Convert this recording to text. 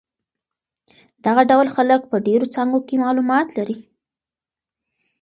دغه ډول خلک په ډېرو څانګو کې معلومات لري.